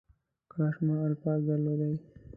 کاش ما الفاظ درلودلی .